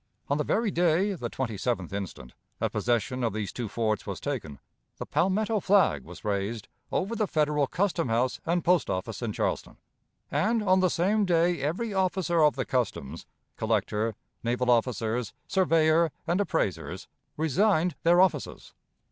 On the very day (the 27th instant) that possession of these two forts was taken, the Palmetto flag was raised over the Federal Custom House and Post Office in Charleston; and on the same day every officer of the customs collector, naval officers, surveyor, and appraisers resigned their offices.